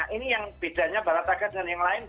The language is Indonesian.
nah ini yang bedanya barataga dengan yang lain